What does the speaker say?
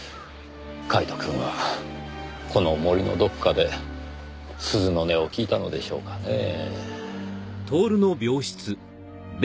カイトくんはこの森のどこかで鈴の音を聞いたのでしょうかねぇ。